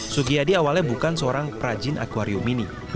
sugiyadi awalnya bukan seorang prajin akwarium ini